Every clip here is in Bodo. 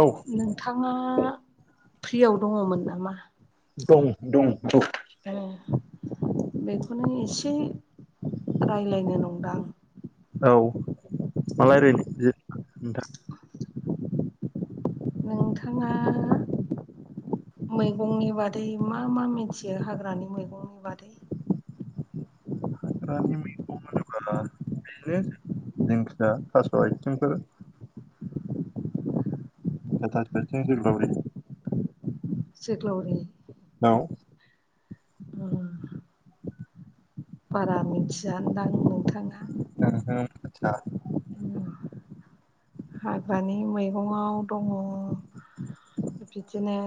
औ नोंथाङा फ्रियाव दङमोन नामा? दं दं दं ओ बेखौनो एसे राय्लायनो नंदां। औ मा लायरायनो दे नोंथां नोंथाङा मैगंनि बादै मा मा मिथियो हाग्रानि मैगंनि बादै [inaudible] हाग्रानि मैगं बिदिनो जिंखिया थास' आइथिं फोर दा जि जोग्लाउरि [inaudible] बारा मिथियदां नोंथाङा आ हाग्रानि मैगंआव दंङ बिदिनो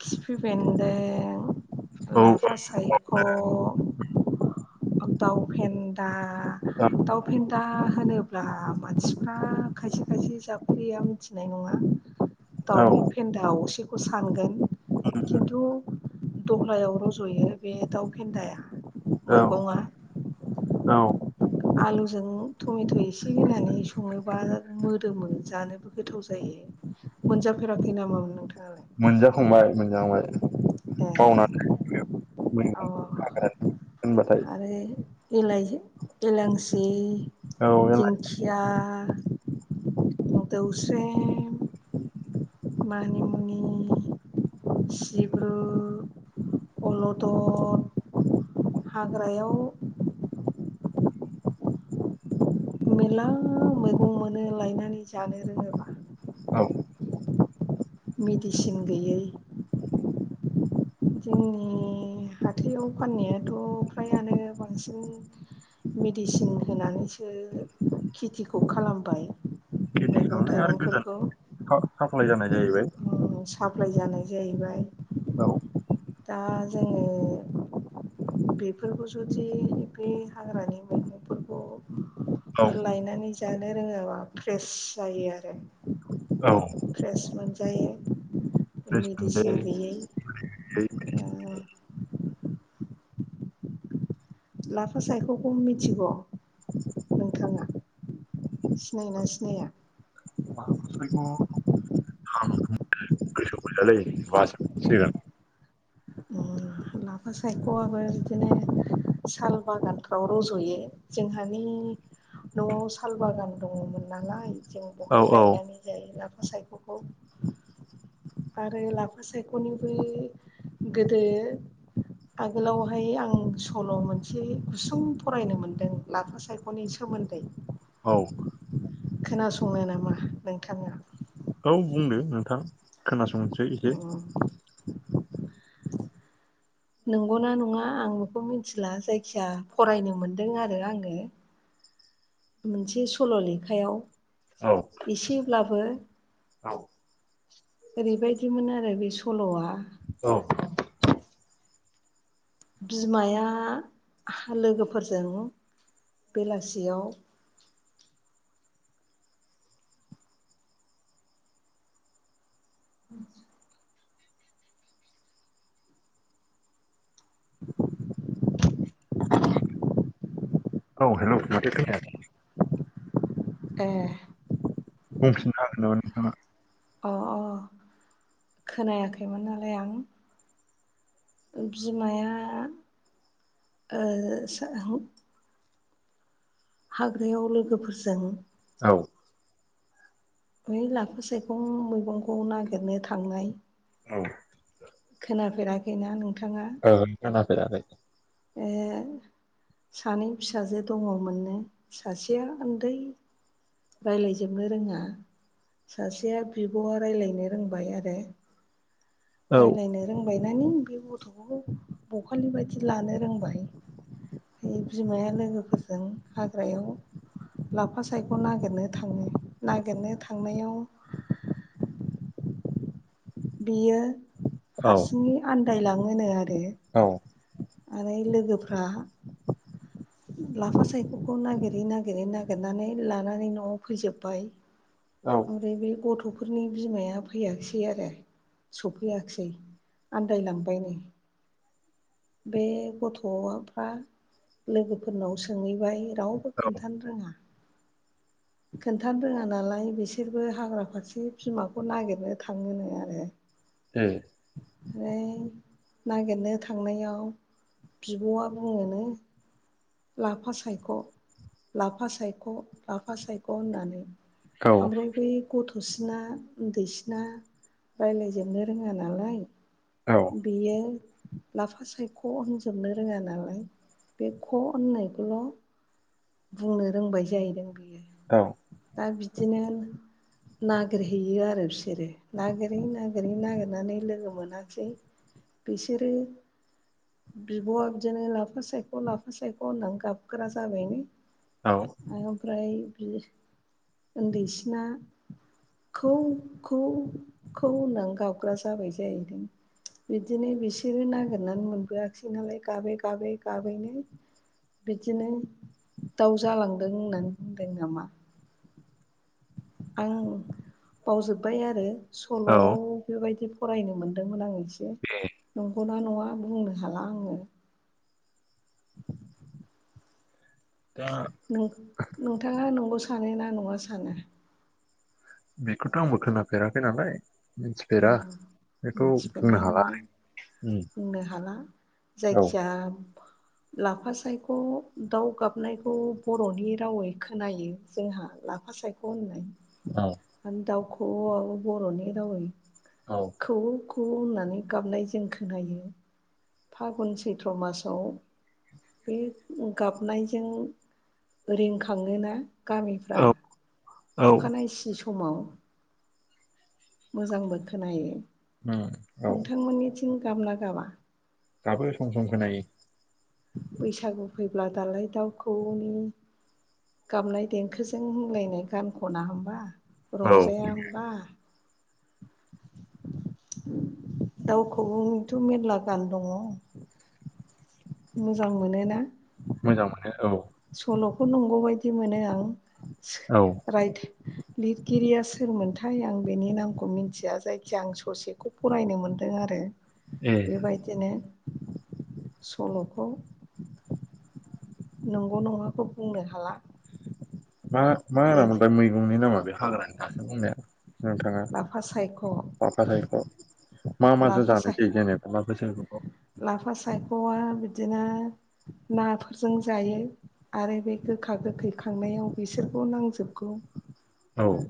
खिफि बेन्दों लाफा सायख' दाउ फेन्दा दाउ फेन्दा होनोब्ला मानसिफ्रा खायसे खायसे खायसे जाफेरिया मिथिनाय नंङा औ दाउनि फेन्दा असेखौ सानगोन खिन्थु [inaudible] दह्लायाव रज'यो बे दाउ फेन्दाया औ बङा औ आलुजों टमेट' एसे होनानै संङोबा मोदोमो जानोबो गोथाव जायो मोनजा फेराखै नामा मोनजाखांबाय मोनजाखांबाय ए बावनानै अ मैगं हाग्रानि आरो एलांसि औ बेलाय दिंखिया म द उस माहानिमुनि सिब्रु अलदन हाग्रायाव मेर्ला मैगं मोनो लायनानै जानो रोङोबा औ मेडिसिन गैयै जोंनि हाथायाव फाननायाथ' फ्रायानो बांसिन मेडिसिन होनानैसो खेथिखौ खालामबाय खेथि मैगं खालामनाय आरो गोजान थाइगंफोरखौ साप्लाय जानाय जाहैबाय साप्लााय जानाय जाहैबाय औ दा जोङो बेफोरखौ जुदि बे हाग्रानि औ मैगंफोरखौ लायनानै जानो रोङाबा फ्रेस जायो आरो औ फ्रेस मोनजायो रेस मेडिसिन मोनजायै गैयै ओ लाफा सायखौ खम मिथिगौ नोंथाङा सिनाय ना सिनाया स बसैग उम लाफा सायख'आबो बिदिनो साल बागानफ्राव रज'यो जोंहानि न'आव साल बागान दङमोन नालाय जों औ बहाय लायनानै जायो न गसायख'खौ आरो लाफा सायख'निबो गोदो आगोलावहाय आं सल' मोनसे गुसुं फरायनो मोनदों लाफा सायख'नि सोमोन्दै औ खोनासङो नामा नोंथांा औ बुंदो नोंथां खोनासंसै एसे उम [unintelligible] नंगौना नङा आं बेखौ मिथिला जायखिया फरायनो मोनदों आरो आङो मोनसे सल' लेखायाव औ एसेब्लाबो औ ओरैबायदिमोन आरो बे सल'आ औ बिमाया हा लोगोफोरजों बेलासियाव [inaudible] औ हेल' माथो खोयाखै ए [unintelligible] अ अ खोनायाखैमोन नालाय आं बिमाया ओ [unintelligible] हाग्रायाव लोगोफोरजों औ बै लाफा साइगं मैगंखौ नागिरनो थांनाय औ खोनाफेराखैना नों औ खोनाफेराखै ए सानै फिसाजो दङमोननो सासेया उन्दै रायलायजोबनो रोङा सासेया बिब'आ रायलायनो रोंबाय आरो औ रायलायनो रोंबाय [unintelligible] बे गथ'खौ बखालि बायदि लानो रोंबाय बिमाया लोगोफोरजों हाग्रायाव लाफा साय नागिरनो थाङो नागिरनो थांनायाव बियो औ हारसिङै आन्दायलाङोनो आरो औ आरो लोगोफ्रा लाफा सायख'खौ नागिरै- नागिरै नागिरनानै लानानै न'आव फैजोब्बाय औ ओमफ्राय बे गथ'फोरनि बिमाया फैयाखिसै आरो सफैयाखिसै आन्दायलांबायनो बे गथ'फ्रा लोगोफोरनाव सोंहैबाय रावबो खोन्थानो रोङा खोन्थानो रोङा नालाय बिसोरबो हाग्रा फारसे बिमाखौ नागिरनो थाङोनो ए ए [unintelligible] ओमफ्राय नागिरनो थांनायाव बिब'आ बुङोनो लाफा सायख'- लाफा सायख' - लाफा सायख' होननानै औ ओमफ्राय बै गथ'सिना उन्दैसिना राय्लायजोबनो रोङा नालाय औ बियो लाफा सायख' होनजोबनो रोङा नालाय बे ख' होननायखौल' बुंनो रोंबाय जाहैदों बेयो औ दा बिदिनो नागिरहैयो आरो बिसोरो नागिरै- नागिरै नागिरनानै लोगो मोनासै बिसोरो बिब'आ बिदिनो लाफा सायख' - लाफा सायख' होननानै गाबग्राा जाबाय नो औ। ओमफ्राय उन्दैसिना खौ खौ खौ होननानै गाबग्रा जाबाय जाहैदों। बिदिनो बिसोरो नागिरनानै मोनबोआखिसै नालाय गाबै गाबै गाबैनो बिदिनो दाउ जालांदों होननानै बुंदों नामा। आं बावजोब्बाय आरो सल'आव बेबायदि फरायनो मोनदोंमोन आं एसे, नंगौना नङा बुंनो हाला आङो। [inaudible] दा नोंथाङा नंगौ सानो ना नङा सानो? बेखौथ' आंबो खोनाफेराखै नालाय। औ मिथिफेरा बेखौ' मिथिफेरनाय बुंनो हाला। नङा औ बुंनो हाला औ जायखिया लाफा सायख' दाउ गाबनायखौ बर'नि रावै खोनायो जोंहा लाफा सायख' औ होननाय। दाउ खौवौ आबो बर'नि रावै औ खौवौ खौ खौवौ होननानै गाबनाय जों खोनायो फागुन सैथ्र' मासाव बे गाबनायजों रिंखाङोना? गामिफ्रा औ अखानायसि समाव। मोजांबो खोनायो। उम औ। गाबोना गाबा? गाबो सम सम खोनायो। बैसागु फैब्ला दालाय दाउखौवौनि गाबनाय देंखोजों होनलायनाय गान खना होनबा? औ रंजाया होमबा? दाउ खौवौनिथ' मेरला गान दङ। मोजां मोनोना? मोजां मोनो औ। सल'खौ नंगौ बायदि मोनो आं औ राइथ लिरगिरिया सोरमोनथाय आं बेनि नामखौ मिथिया जायखिया आं ससेखौ फरायनो मोनदों आरो। ए बेबायदिनो सल'खौ नंगौ नङाखौ बुंनो हाला। मा मा जायखि होनामोनथाय मैगंनि नामा बे हाग्रानि दासो बुंनाया? नोंथाङा लाफा सायख' हरफाजायोथ' मा माजों लाफा जानो साय जायो जेनेबा माबोरै जानांगौ लाफा सायख'आ बिदिनो नाफोरजों जायो आरो बे गोखा गोखै खांनायाव बिसोरखौ नांजोबगौ। औ।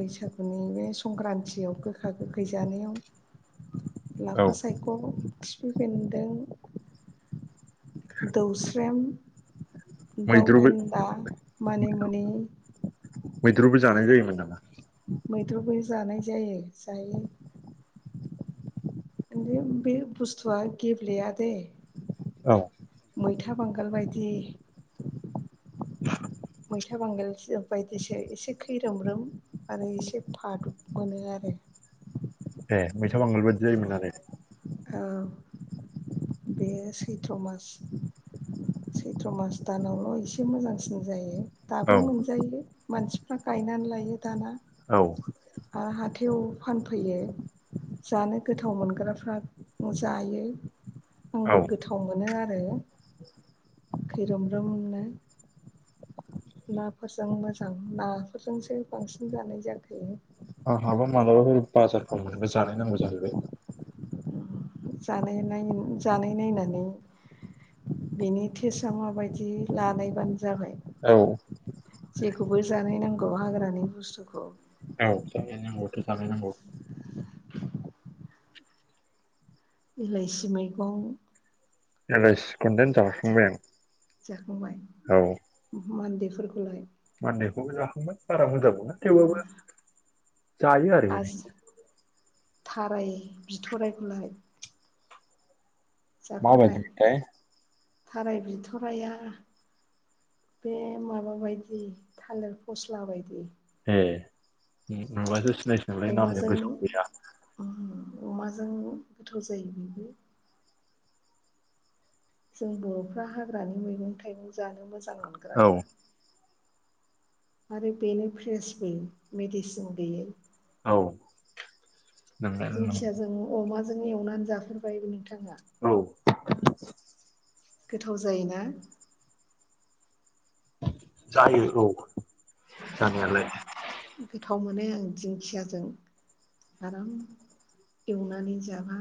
बैसागुनि बे संक्रान्तियाव गोखा गोखै जानायाव औ लाफा सायख' खिफि बेन्दों दौस्रेम दाउ मैद्रुबो फेन्दा, मानिमुनि मैद्रुबो जानाय जायोमोन नामा? मैद्रुबो जानाय जायो जायो। बे बुस्थुआ गेबलेया दै औ। मैथा बांगाल बायदि मैथा बांगाल बायदिसो एसे खैरोमरोम आरो एसे फादुब मोनो आरो। [inaudible] ए मैथा बांगाल बायदि जायोमोन आरो। औ बे सैथ्र' मास सैथ्र' मास दानावल' एसे मोजांसिन जायो दाबो औ मोनजायो मानसिफ्रा गायनानै लायो दाना औ हाथायाव फानफैयो जानो गोथाव मोनग्राफ्रा जायो औ आंबो गोथाव मोनो आरो आरो खैरोमब्रोमनो नाफोरजों मोजां नाफोरजोंसो बांसिन जानाय जाखायो आंहाबो मालाबा बे बाजारफ्राव मोनबा जानाय नांगौ जाहैबाय जानाय नाय जानाय नायनानै बेनि टेस्टआ माबायदि लानायबानो जाबाय औ जेखौबो जानाय नांगौ हाग्रानि बुस्थुखौ औ जानायनांगौथ जानायनांगौ इलाइसि मैगं एलायसिखौदेन जाखांबाय आं औ बेफोरखौलाय मानदेखौबो जाखांबाय बारा मोजां मोना थेवबाबो जायो आरो आजि थाराय बिथरायखौलाय मा बादिथाय थाराय बिथ'राया बे माबा बायदि थालिर फस्ला बायदि ए नुबासो सिनायसिगोनलै नामजों अमाजों गोसोआव गैया अमाजों गोथाव जायो बेबो जों बर'फ्रा हाग्रानि मैगं थाइगं जानो मोजां औ मोनग्राखा आरो बेनो फ्रेसबो मेडिसिन गैयै औ नोंगो नों दिंखियाजों अमाजों एवनानै जाफेरबायबो नोंथां औ गोथाव जायोना जायो औ जानायालाय गोथाव मोनो आं दिंखियाजों आराम एवनानै जाबा